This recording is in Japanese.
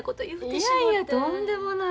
いやいやとんでもない。